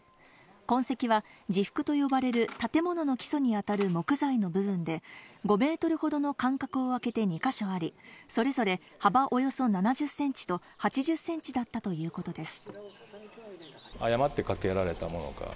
痕跡は地覆と呼ばれる建物の基礎に当たる木材の部分で、５メートルほどの間隔をあけて２か所あり、それぞれ幅およそ７０センチと８０センチだったということです。